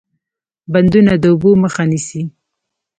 بندونه د اوبو مخه نیسي